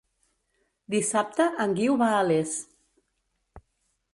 Dissabte en Guiu va a Les.